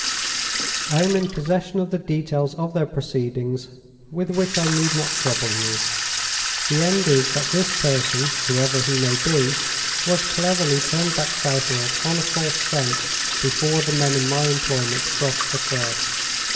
I am in possession of the details of their proceedings, with which I need not trouble you. The end is, that this person, whoever he may be, was cleverly turned back southward on a false scent before the men in my employment crossed the Firth.